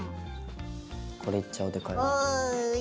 これいっちゃんでかい。